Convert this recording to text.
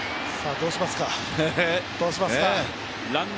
どうしますか！